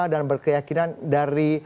dan berkeyakinan dari